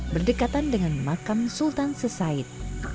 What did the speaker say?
berdekatan dengan makam sultan sesaid